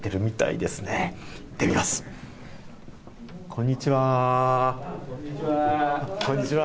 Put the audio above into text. こんにちは。